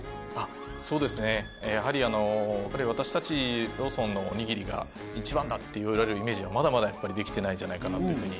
そうですねやはり私たちローソンのおにぎりが一番だって言われるイメージはまだまだやっぱりできてないんじゃないかなっていう風に。